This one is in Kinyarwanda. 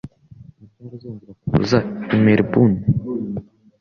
Ni ryari uzongera kuza i Melbourne?